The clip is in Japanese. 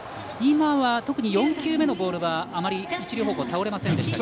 今は特に４球目のボールはあまり一塁方向に倒れませんでした。